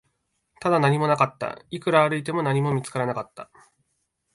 ただ、何もなかった、いくら歩いても、何も見つからなかった